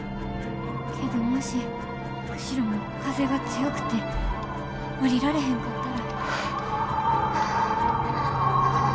けどもし釧路も風が強くて降りられへんかったら。